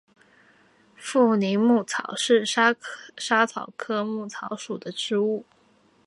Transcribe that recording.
富宁薹草是莎草科薹草属的植物。